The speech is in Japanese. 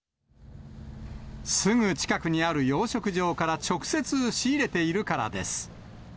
すぐ近くにある養殖場から直接仕入れているからです。